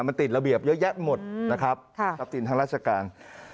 มันติดระเบียบเยอะแยะหมดนะครับทรัพย์สินทางราชการ